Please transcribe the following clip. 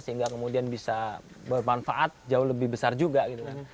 sehingga kemudian bisa bermanfaat jauh lebih besar juga gitu kan